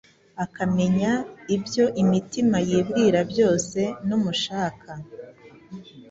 akamenya ibyo imitima yibwira byose; numushaka,